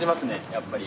やっぱり。